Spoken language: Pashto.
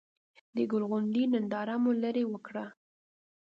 د ګل غونډۍ ننداره مو له ليرې وکړه.